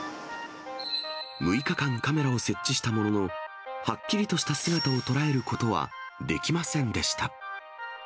６日間カメラを設置したものの、はっきりとした姿を捉えることはできませんでした。